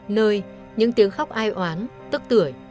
nơi những tiếng khóc ai oán tức tưởi